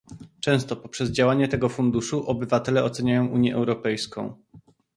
Często poprzez działanie tego funduszu obywatele oceniają Unię Europejską